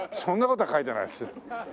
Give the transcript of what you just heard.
そんな事は書いてないですよ。